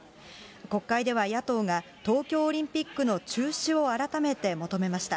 国会では野党が、東京オリンピックの中止を改めて求めました。